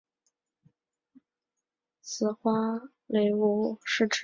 紫花橐吾是菊科橐吾属的植物。